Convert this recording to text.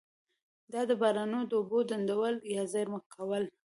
د بارانونو د اوبو ډنډول یا زیرمه کول.